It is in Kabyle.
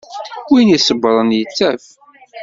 Win iṣebbren, yettaf.